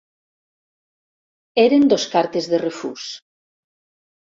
Eren dos cartes de refús.